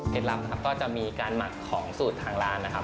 ลับนะครับก็จะมีการหมักของสูตรทางร้านนะครับ